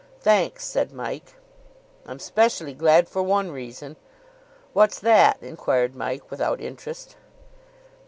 "Thanks," said Mike. "I'm specially glad for one reason." "What's that?" inquired Mike, without interest.